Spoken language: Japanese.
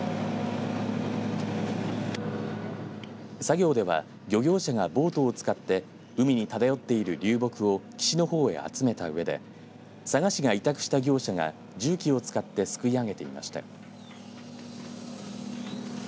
作業では漁業者がボートを使って海に漂っている流木を岸の方へ集めたうえで佐賀市が委託した業者が重機を使ってすくい上げていました。